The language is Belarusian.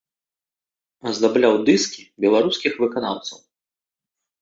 Аздабляў дыскі беларускіх выканаўцаў.